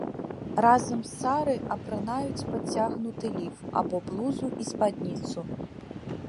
Разам з сары апранаюць падцягнуты ліф або блузу і спадніцу.